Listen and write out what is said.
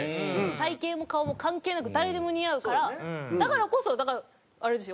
体形も顔も関係なく誰でも似合うからだからこそあれですよ